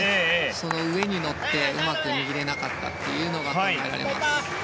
その上に乗ってうまく握れなかったというのが考えられます。